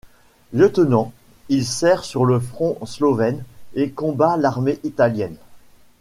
Lieutenant, il sert sur le front slovène et combat l'armée italienne.